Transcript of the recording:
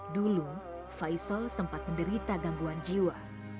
dulu faisal sempat menderita gangguan jiwa